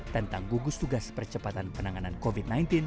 tentang gugus tugas percepatan penanganan covid sembilan belas